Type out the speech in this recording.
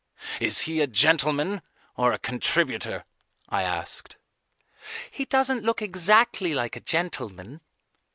"Is he a gentleman or a contributor?" I asked. "He doesn't look exactly like a gentleman."